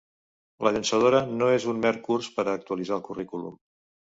La llançadora no és un mer curs per a actualitzar el currículum.